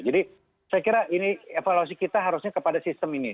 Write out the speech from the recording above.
jadi saya kira ini evaluasi kita harusnya kepada sistem ini